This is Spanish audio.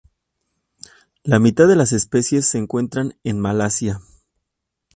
La mitad de las especies se encuentran en Malasia.